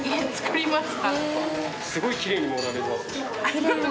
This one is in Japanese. すごいきれいに盛られますね。